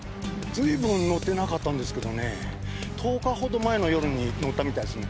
ずいぶん乗ってなかったんですけどね１０日ほど前の夜に乗ったみたいですね